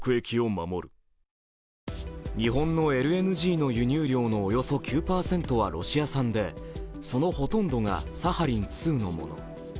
日本のＬＮＧの輸入量のおよそ９％はロシア産でそのほとんどが、サハリン２のもの。